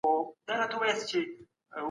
د يتيمانو مالونه په ناحقه مه خورئ.